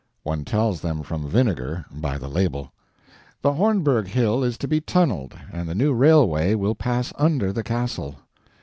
One tells them from vinegar by the label. The Hornberg hill is to be tunneled, and the new railway will pass under the castle.